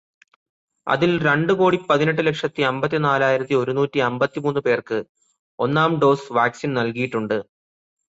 അതില് രണ്ടു കോടി പതിനെട്ടുലക്ഷത്തി അമ്പത്തിനാലായിരത്തി ഒരു നൂറ്റി അമ്പത്തിമൂന്നു പേര്ക്ക് ഒന്നാം ഡോസ് വാക്സിൻ നൽകിയിട്ടുണ്ട്.